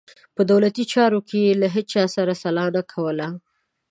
په دولتي چارو کې یې له هیچا سره سلا نه کوله.